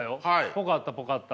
ぽかったぽかった。